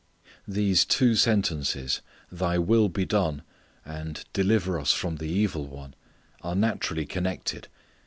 These two sentences, "Thy will be done," and "deliver us from the evil one," are naturally connected.